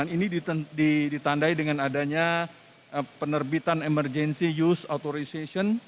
ini ditandai dengan adanya penerbitan emergency use authorization